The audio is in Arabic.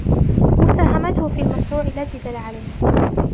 مساهماته في المشروع لا جدال عليها.